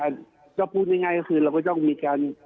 ก็พูดง่ายก็คือเราก็ต้องมีการ